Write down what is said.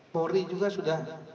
polri juga sudah